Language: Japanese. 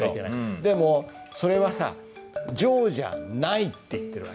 でもそれはさ「常じゃない」って言ってる訳。